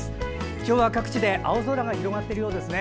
今日は各地で青空が広がっているようですね。